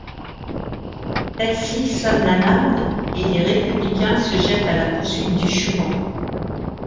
Celle-ci sonne l'alarme et les républicains se jettent à la poursuite du chouan.